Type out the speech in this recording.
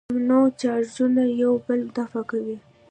همنوع چارجونه یو بل دفع کوي.